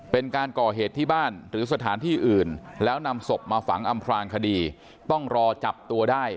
เป็นการก่อเหตุที่บ้านหรือสถานที่อื่นแล้วนำศพมาฝังอำพลางคดีต้องรอจับตัวได้